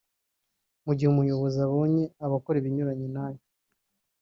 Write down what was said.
mu gihe umuyobozi abonye abakora ibinyuranye na yo